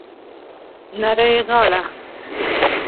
نرۍ غاړه